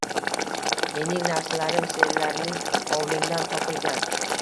Mening narsalarim senlarning hovlingdan topilgan